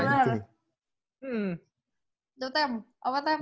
itu tem apa tem